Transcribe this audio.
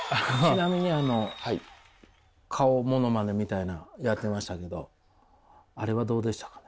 ちなみにあの顔ものマネみたいなやってましたけどあれはどうでしたか？